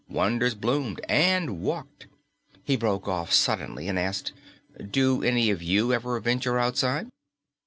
Wonders bloomed and walked." He broke off suddenly and asked, "Do any of you ever venture outside?"